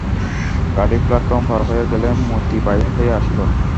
গাড়ি প্লাটফর্ম পার হইয়া গেলে মতি বাহির হইয়া আসিল।